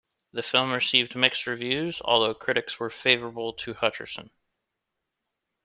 The film received mixed reviews, although critics were favorable to Hutcherson.